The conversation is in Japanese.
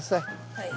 はい。